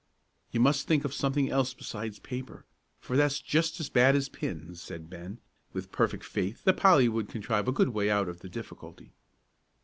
"You must think of something else besides paper, for that's just as bad as pins," said Ben, with perfect faith that Polly would contrive a good way out of the difficulty.